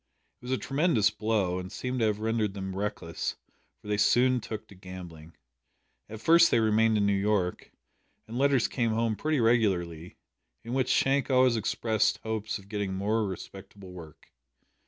It was a tremendous blow, and seemed to have rendered them reckless, for they soon took to gambling. At first they remained in New York, and letters came home pretty regularly, in which Shank always expressed hopes of getting more respectable work.